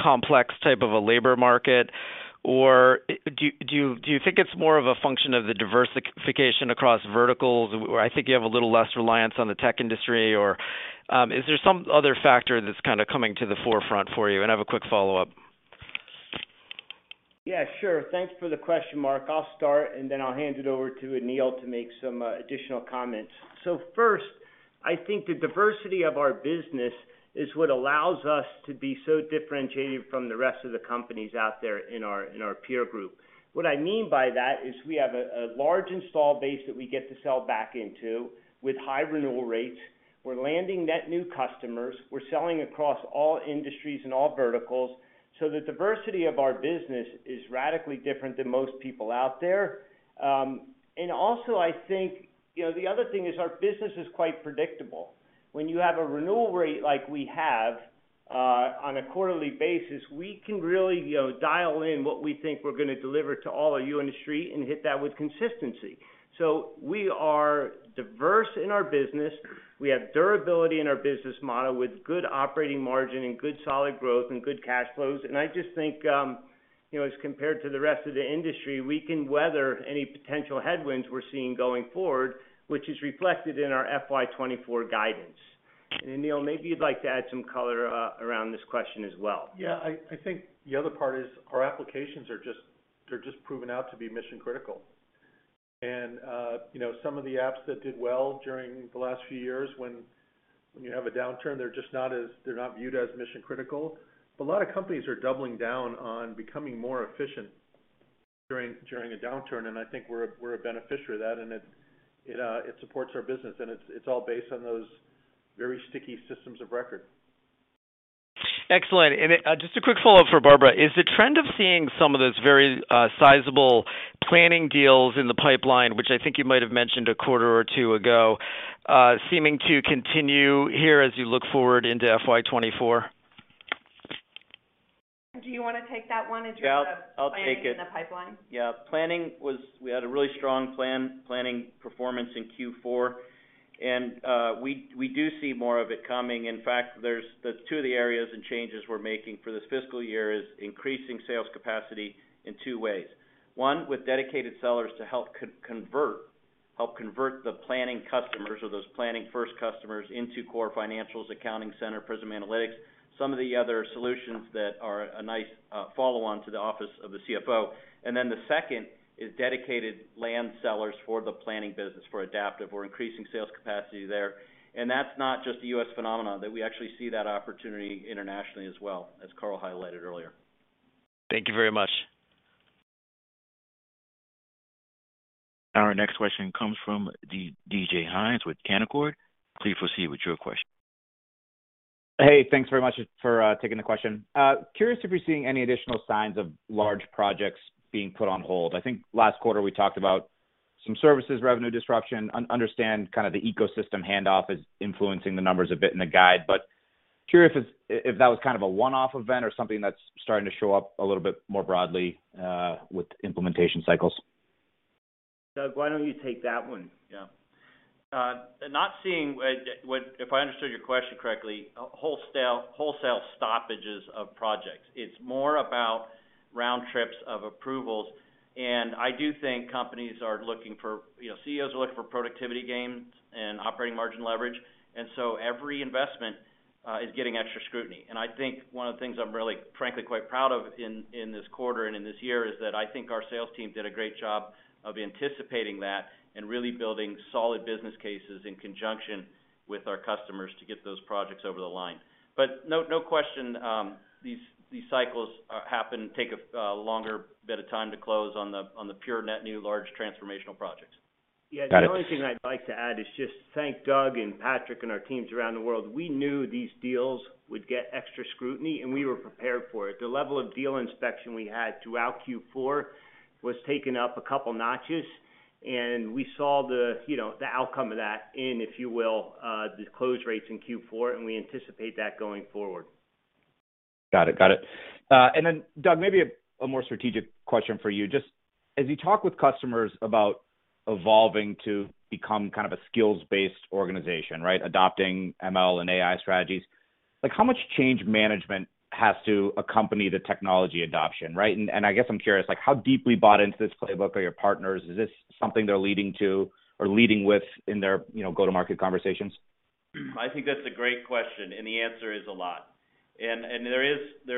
complex type of a labor market? Or do you think it's more of a function of the diversification across verticals where I think you have a little less reliance on the tech industry? Or is there some other factor that's kinda coming to the forefront for you? I have a quick follow-up. Yeah, sure. Thanks for the question, Mark. I'll start, and then I'll hand it over to Aneel to make some additional comments. First, I think the diversity of our business is what allows us to be so differentiated from the rest of the companies out there in our, in our peer group. What I mean by that is we have a large install base that we get to sell back into with high renewal rates. We're landing net new customers. We're selling across all industries and all verticals. The diversity of our business is radically different than most people out there. Also I think, you know, the other thing is our business is quite predictable. When you have a renewal rate like we have, on a quarterly basis, we can really, you know, dial in what we think we're gonna deliver to all of you in the street and hit that with consistency. We are diverse in our business. We have durability in our business model with good operating margin and good solid growth and good cash flows. I just think, you know, as compared to the rest of the industry, we can weather any potential headwinds we're seeing going forward, which is reflected in our FY 2024 guidance. Aneel, maybe you'd like to add some color around this question as well. Yeah. I think the other part is our applications are they're just proven out to be mission-critical. you know, some of the apps that did well during the last few years when you have a downturn, they're not viewed as mission-critical. A lot of companies are doubling down on becoming more efficient during a downturn, I think we're a beneficiary of that. It supports our business, it's all based on those very sticky systems of record. Excellent. Just a quick follow-up for Barbara. Is the trend of seeing some of those very sizable planning deals in the pipeline, which I think you might have mentioned a quarter or two ago, seeming to continue here as you look forward into FY 2024? Do you wanna take that one in terms of- Yeah. I'll take it. planning in the pipeline? Yeah. Planning We had a really strong planning performance in Q4, and we do see more of it coming. In fact, there's two of the areas and changes we're making for this fiscal year is increasing sales capacity in two ways. 1. With dedicated sellers to help convert the planning customers or those planning first customers into core financials, Accounting Center, Prism Analytics, some of the other solutions that are a nice follow-on to the office of the CFO. 2. Is dedicated land sellers for the planning business, for Adaptive. We're increasing sales capacity there. That's not just a U.S. phenomenon, that we actually see that opportunity internationally as well, as Carl highlighted earlier. Thank you very much. Our next question comes from D.J. Hynes with Canaccord. Please proceed with your question. Hey. Thanks very much for taking the question. Curious if you're seeing any additional signs of large projects being put on hold. I think last quarter we talked about some services revenue disruption. Understand kind of the ecosystem handoff is influencing the numbers a bit in the guide, curious if that was kind of a one-off event or something that's starting to show up a little bit more broadly with implementation cycles. Doug, why don't you take that one? Yeah. Not seeing if I understood your question correctly, wholesale stoppages of projects. It's more about round trips of approvals. I do think companies are looking for CEOs are looking for productivity gains and operating margin leverage. Every investment is getting extra scrutiny. I think one of the things I'm really, frankly, quite proud of in this quarter and in this year is that I think our sales team did a great job of anticipating that and really building solid business cases in conjunction with our customers to get those projects over the line. No, no question, these cycles happen, take a longer bit of time to close on the pure net new large transformational projects. Got it. The only thing I'd like to add is just thank Doug and Patrick and our teams around the world. We knew these deals would get extra scrutiny, and we were prepared for it. The level of deal inspection we had throughout Q4 was taken up a couple notches. We saw the, you know, the outcome of that in, if you will, the close rates in Q4, and we anticipate that going forward. Got it. Got it. Doug, maybe a more strategic question for you. Just as you talk with customers about evolving to become kind of a skills-based organization, right? Adopting ML and AI strategies. Like how much change management has to accompany the technology adoption, right? And I guess I'm curious, like how deeply bought into this playbook are your partners? Is this something they're leading to or leading with in their, you know, go-to-market conversations? I think that's a great question, and the answer is a lot. There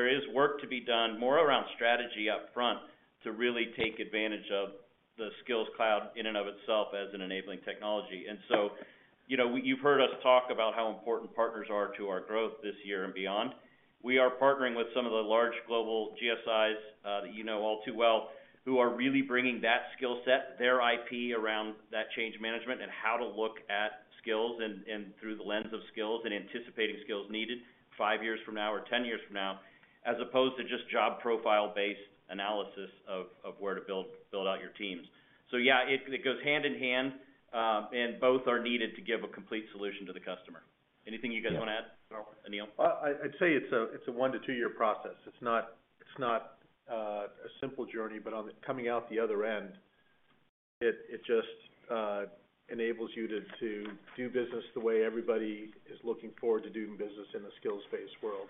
is work to be done more around strategy up front to really take advantage of the Workday Skills Cloud in and of itself as an enabling technology. So, you know, you've heard us talk about how important partners are to our growth this year and beyond. We are partnering with some of the large global GSIs that you know all too well, who are really bringing that skill set, their IP around that change management and how to look at skills and through the lens of skills and anticipating skills needed five years from now or 10 years from now, as opposed to just job profile-based analysis of where to build out your teams. Yeah, it goes hand in hand, and both are needed to give a complete solution to the customer. Anything you guys wanna add? No. Aneel? I'd say it's a one to two year process. It's not a simple journey, but coming out the other end, it just enables you to do business the way everybody is looking forward to doing business in a skills-based world.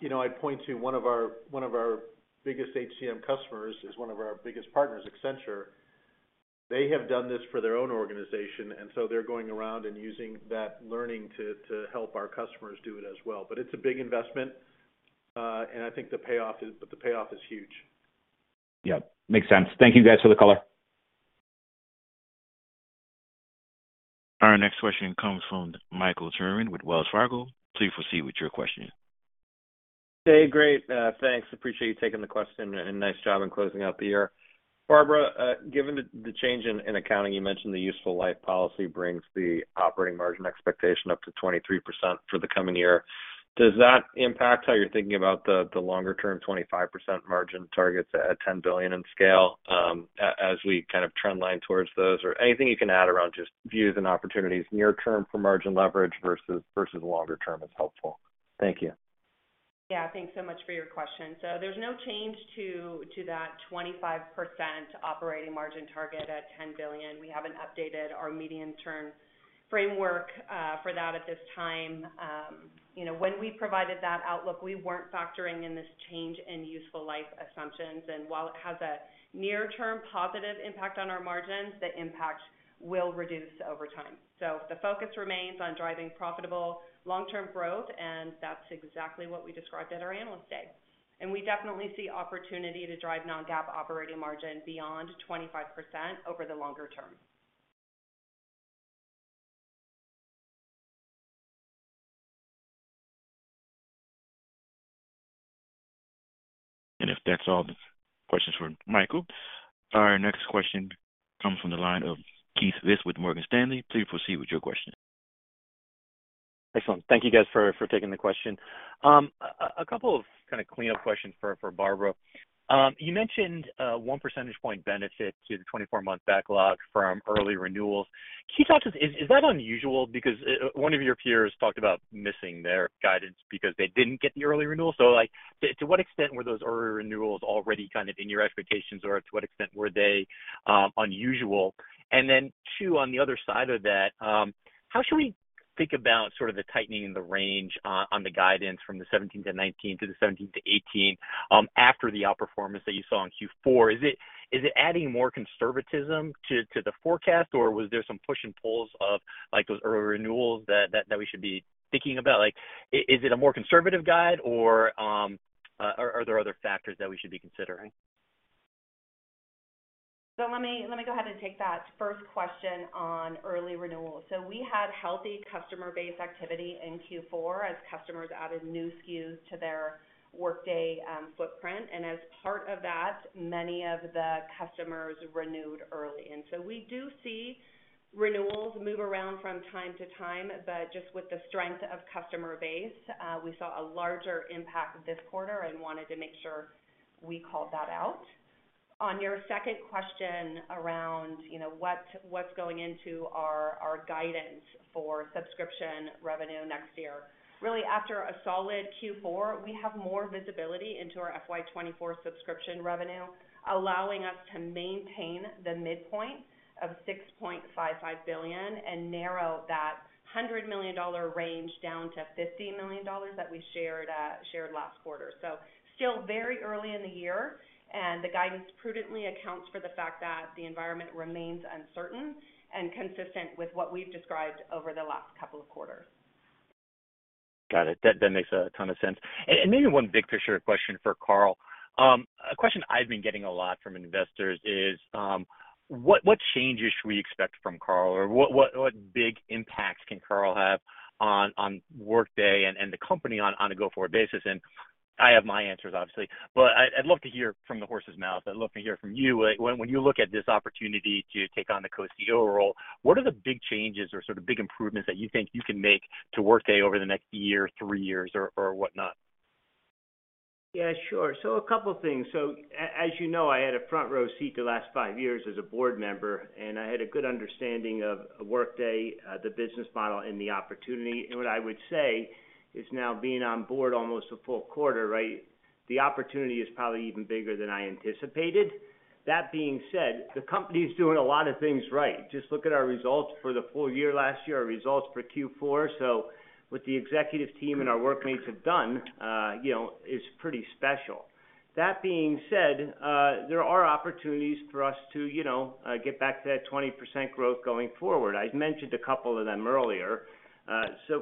You know, I'd point to one of our biggest HCM customers is one of our biggest partners, Accenture. They have done this for their own organization, so they're going around and using that learning to help our customers do it as well. It's a big investment, and I think the payoff is huge. Yeah. Makes sense. Thank you guys for the color. Our next question comes from Michael Turrin with Wells Fargo. Please proceed with your question. Hey. Great, thanks. Appreciate you taking the question, and nice job in closing out the year. Barbara, given the change in accounting, you mentioned the useful life policy brings the operating margin expectation up to 23% for the coming year. Does that impact how you're thinking about the longer term 25% margin targets at $10 billion in scale, as we kind of trend line towards those? Or anything you can add around just views and opportunities near-term for margin leverage versus longer-term is helpful. Thank you. Yeah. Thanks so much for your question. There's no change to that 25% operating margin target at $10 billion. We haven't updated our medium-term framework for that at this time. You know, when we provided that outlook, we weren't factoring in this change in useful life assumptions. While it has a near-term positive impact on our margins, the impact will reduce over time. The focus remains on driving profitable long-term growth, and that's exactly what we described at our Analyst Day. We definitely see opportunity to drive non-GAAP operating margin beyond 25% over the longer-term. If that's all the questions for Michael, our next question comes from the line of Keith Weiss with Morgan Stanley. Please proceed with your question. Excellent. Thank you guys for taking the question. A couple of kind of cleanup questions for Barbara. You mentioned 1 percentage point benefit to the 24-month backlog from early renewals. Can you talk to us, is that unusual? Because one of your peers talked about missing their guidance because they didn't get the early renewal. So like, to what extent were those early renewals already kind of in your expectations, or to what extent were they unusual? Two, on the other side of that, how should we think about sort of the tightening in the range on the guidance from the 17-19 to the 17-18, after the outperformance that you saw in Q4? Is it adding more conservatism to the forecast, or was there some push and pulls of like those early renewals that we should be thinking about? Like, is it a more conservative guide or are there other factors that we should be considering? Let me go ahead and take that first question on early renewals. We had healthy customer-base activity in Q4 as customers added new SKUs to their Workday footprint. As part of that, many of the customers renewed early. We do see renewals move around from time to time, but just with the strength of customer-base, we saw a larger impact this quarter and wanted to make sure we called that out. On your second question around, you know, what's going into our guidance for subscription revenue next year. Really, after a solid Q4, we have more visibility into our FY 2024 subscription revenue, allowing us to maintain the midpoint of $6.55 billion and narrow that $100 million range down to $50 million that we shared last quarter. Still very early in the year, and the guidance prudently accounts for the fact that the environment remains uncertain and consistent with what we've described over the last couple of quarters. Got it. That, that makes a ton of sense. Maybe one big picture question for Carl. A question I've been getting a lot from investors is, what changes should we expect from Carl? Or what big impacts can Carl have on Workday and the company on a go-forward basis? I have my answers obviously, but I'd love to hear from the horse's mouth. I'd love to hear from you. When you look at this opportunity to take on the co-CEO role, what are the big changes or sort of big improvements that you think you can make to Workday over the next year, three years or whatnot? Yeah, sure. A couple of things. As you know, I had a front row seat the last five years as a board member, and I had a good understanding of Workday, the business model and the opportunity. What I would say is now being on board almost a full quarter, right? The opportunity is probably even bigger than I anticipated. That being said, the company is doing a lot of things right. Just look at our results for the full year last year, our results for Q4. What the executive team and our Workmates have done, you know, is pretty special. That being said, there are opportunities for us to, you know, get back to that 20% growth going forward. I've mentioned a couple of them earlier.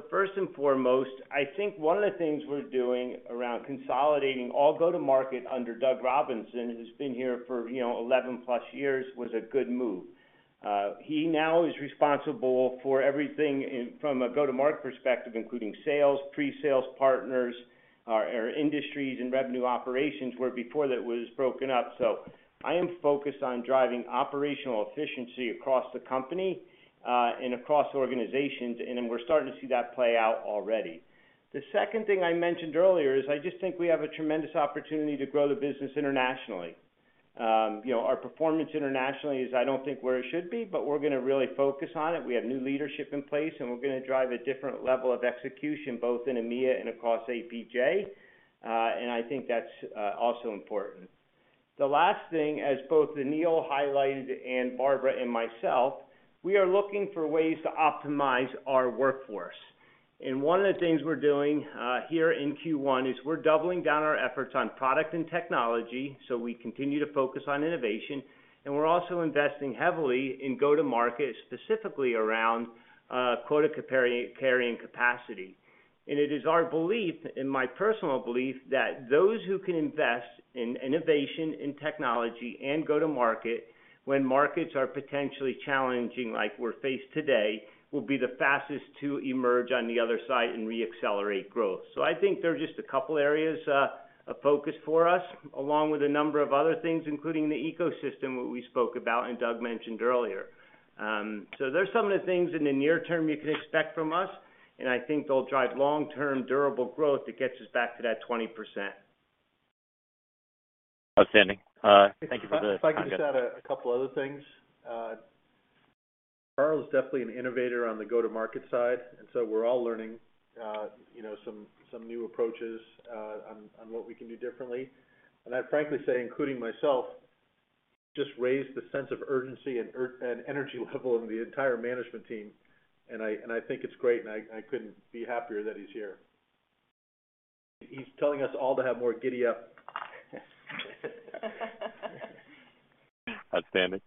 First and foremost, I think one of the things we're doing around consolidating all go-to-market under Doug Robinson, who's been here for, you know, 11+ years, was a good move. He now is responsible for everything from a go-to-market perspective, including sales, pre-sales partners, our industries and revenue operations, where before that was broken up. I am focused on driving operational efficiency across the company and across organizations, and we're starting to see that play out already. The second thing I mentioned earlier is I just think we have a tremendous opportunity to grow the business internationally. You know, our performance internationally is, I don't think where it should be, but we're going to really focus on it. We have new leadership in place, and we're going to drive a different level of execution, both in EMEA and across APJ. I think that's also important. The last thing, as both Aneel highlighted and Barbara and myself, we are looking for ways to optimize our workforce. One of the things we're doing here in Q1 is we're doubling down our efforts on product and technology, so we continue to focus on innovation, and we're also investing heavily in go-to-market, specifically around quota carrying capacity. It is our belief, and my personal belief, that those who can invest in innovation, in technology, and go-to-market when markets are potentially challenging, like we're faced today, will be the fastest to emerge on the other side and re-accelerate growth. I think there are just a couple areas of focus for us, along with a number of other things, including the ecosystem, what we spoke about and Doug mentioned earlier. There's some of the things in the near-term you can expect from us, and I think they'll drive long-term durable growth that gets us back to that 20%. Outstanding. Thank you for the comment. If I could just add a couple other things. Carl is definitely an innovator on the go-to-market side, and so we're all learning, you know, some new approaches on what we can do differently. I'd frankly say, including myself, just raised the sense of urgency and energy level in the entire management team. I think it's great, and I couldn't be happier that he's here. He's telling us all to have more giddy up. Outstanding.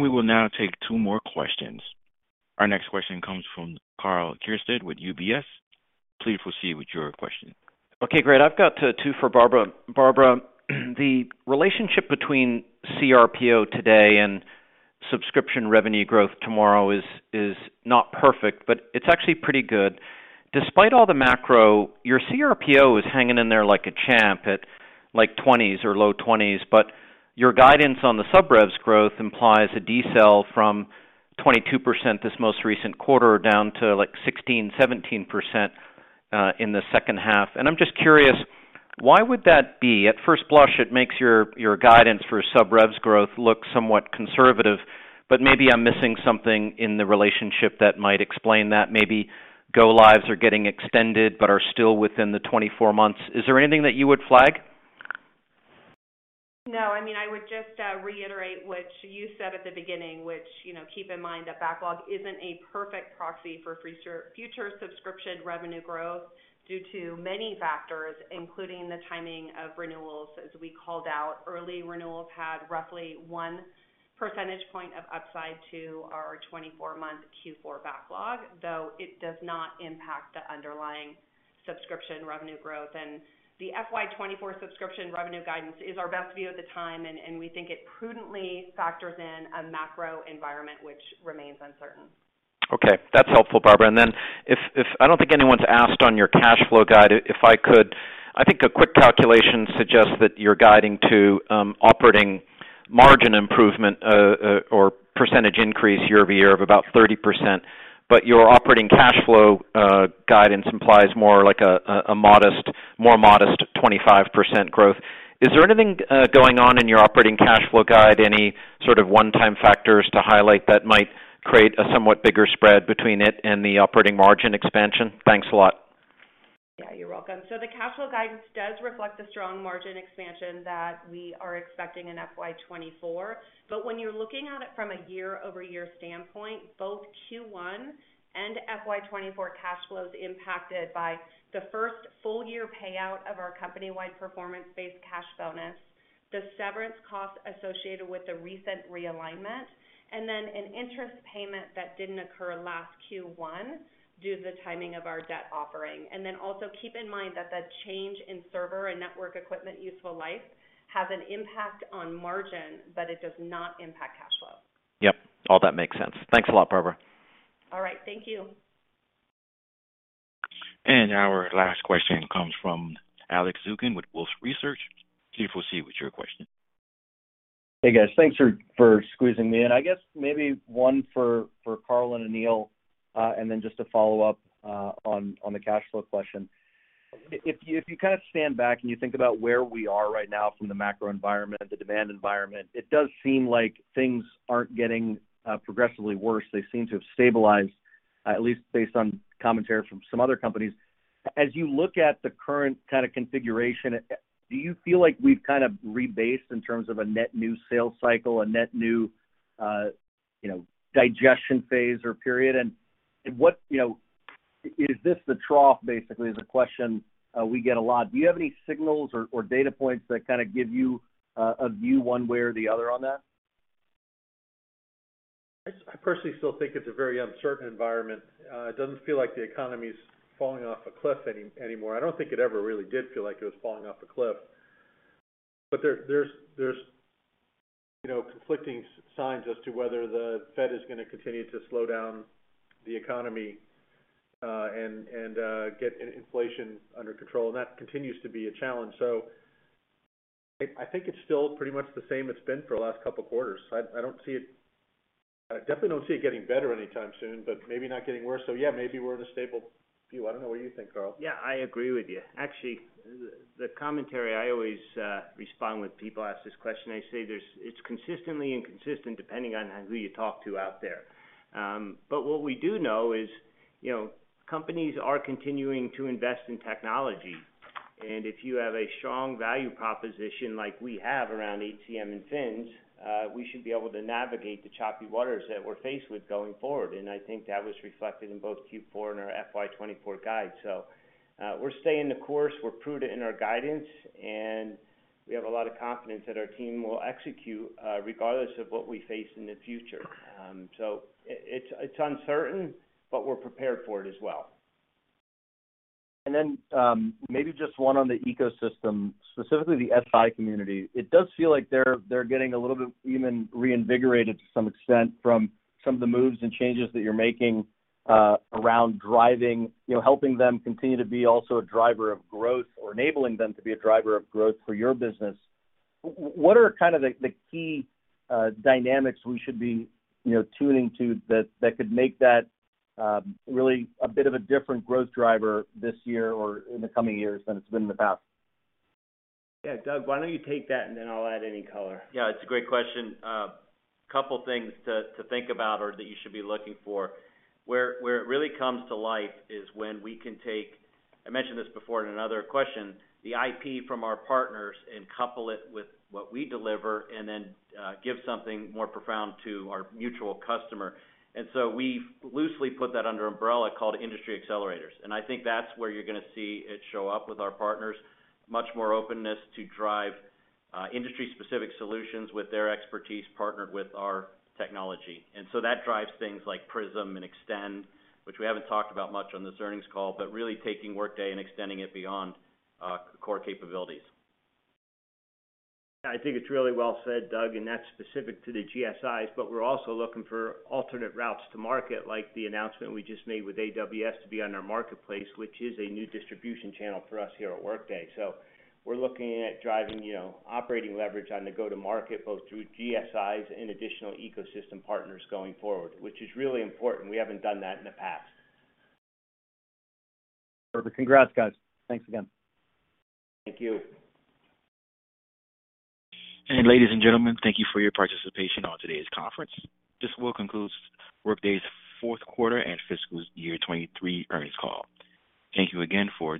We will now take two more questions. Our next question comes from Karl Keirstead with UBS. Please proceed with your question. Okay, great. I've got two for Barbara. Barbara, the relationship between CRPO today and subscription revenue growth tomorrow is not perfect, but it's actually pretty good. Despite all the macro, your CRPO is hanging in there like a champ at like 20s or low-20s, but your guidance on the sub revs growth implies a decel from 22% this most recent quarter down to like 16%-17% in the second half. I'm just curious, why would that be? At first blush, it makes your guidance for sub revs growth look somewhat conservative, but maybe I'm missing something in the relationship that might explain that. Maybe go lives are getting extended but are still within the 24 months. Is there anything that you would flag? No. I mean, I would just reiterate what you said at the beginning, which, you know, keep in mind that backlog isn't a perfect proxy for future subscription revenue growth due to many factors, including the timing of renewals. As we called out, early renewals had roughly 1 percentage point of upside to our 24-month Q4 backlog, though it does not impact the underlying subscription revenue growth. The FY 2024 subscription revenue guidance is our best view at the time, and we think it prudently factors in a macro environment which remains uncertain. Okay, that's helpful, Barbara. If I don't think anyone's asked on your cash flow guide, if I could, I think a quick calculation suggests that you're guiding to operating margin improvement or percentage increase year-over-year of about 30%. Your operating cash flow guidance implies more like a modest, more modest 25% growth. Is there anything going on in your operating cash flow guide, any sort of one-time factors to highlight that might create a somewhat bigger spread between it and the operating margin expansion? Thanks a lot. Yeah, you're welcome. The cash flow guidance does reflect the strong margin expansion that we are expecting in FY 2024. When you're looking at it from a year-over-year standpoint, both Q1 and FY 2024 cash flows impacted by the first full year payout of our company-wide performance-based cash bonus, the severance costs associated with the recent realignment, and then an interest payment that didn't occur last Q1 due to the timing of our debt offering. Also keep in mind that the change in server and network equipment useful life has an impact on margin, but it does not impact cash flow. Yep. All that makes sense. Thanks a lot, Barbara. All right. Thank you. Our last question comes from Alex Zukin with Wolfe Research. Please proceed with your question. Hey, guys. Thanks for squeezing me in. I guess maybe one for Carl and Aneel, and then just to follow up on the cash flow question. If you, if you kind of stand back and you think about where we are right now from the macro environment, the demand environment, it does seem like things aren't getting progressively worse. They seem to have stabilized, at least based on commentary from some other companies. As you look at the current kind of configuration, do you feel like we've kind of rebased in terms of a net new sales cycle, a net new, you know, digestion phase or period? What, you know, is this the trough, basically, is a question we get a lot. Do you have any signals or data points that kind of give you a view one way or the other on that? I personally still think it's a very uncertain environment. It doesn't feel like the economy's falling off a cliff anymore. I don't think it ever really did feel like it was falling off a cliff. There's, there's, you know, conflicting signs as to whether the Fed is gonna continue to slow down the economy, and, get inflation under control, and that continues to be a challenge. I think it's still pretty much the same it's been for the last couple of quarters. I definitely don't see it getting better anytime soon, but maybe not getting worse. Yeah, maybe we're in a stable view. I don't know what you think, Carl. Yeah, I agree with you. Actually, the commentary I always respond when people ask this question, I say it's consistently inconsistent depending on who you talk to out there. What we do know is, you know, companies are continuing to invest in technology. If you have a strong value proposition like we have around HCM and FINS, we should be able to navigate the choppy waters that we're faced with going forward. I think that was reflected in both Q4 and our FY 2024 guide. We're staying the course, we're prudent in our guidance, and we have a lot of confidence that our team will execute regardless of what we face in the future. It's uncertain, but we're prepared for it as well. Maybe just one on the ecosystem, specifically the SI community. It does feel like they're getting a little bit even reinvigorated to some extent from some of the moves and changes that you're making around driving, you know, helping them continue to be also a driver of growth or enabling them to be a driver of growth for your business. What are kind of the key dynamics we should be, you know, tuning to that could make that really a bit of a different growth driver this year or in the coming years than it's been in the past? Yeah. Doug, why don't you take that, and then I'll add any color. Yeah, it's a great question. Couple things to think about or that you should be looking for. Where it really comes to life is when we can take, I mentioned this before in another question, the IP from our partners and couple it with what we deliver and then give something more profound to our mutual customer. We loosely put that under umbrella called Industry Accelerators, and I think that's where you're gonna see it show up with our partners, much more openness to drive industry-specific solutions with their expertise, partnered with our technology. That drives things like Prism and Extend, which we haven't talked about much on this earnings call, but really taking Workday and extending it beyond core capabilities. I think it's really well said, Doug, and that's specific to the GSIs, but we're also looking for alternate routes to market, like the announcement we just made with AWS to be on their marketplace, which is a new distribution channel for us here at Workday. We're looking at driving, you know, operating leverage on the go-to-market, both through GSIs and additional ecosystem partners going forward, which is really important. We haven't done that in the past. Perfect. Congrats, guys. Thanks again. Thank you. Ladies and gentlemen, thank you for your participation on today's conference. This will conclude Workday's Fourth Quarter and Fiscal Year 2023 Earnings Call. Thank you again for